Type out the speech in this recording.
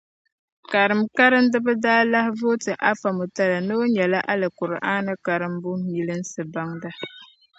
Karim karimdiba daa lahi vooti Afa Mutala ni o di Alikuraani karimbu milinsi baŋda.